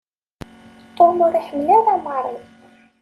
Tom ur iḥemmel ara Mary.